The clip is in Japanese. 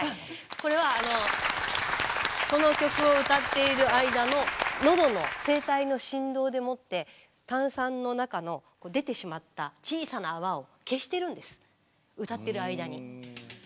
これはこの曲を歌っている間ののどの声帯の振動でもって炭酸の中の出てしまった小さな泡を消してるんです歌ってる間に。